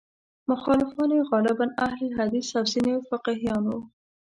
مخالفان یې غالباً اهل حدیث او ځینې فقیهان وو.